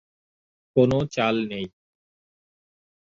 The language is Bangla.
কোনো চাল নেই।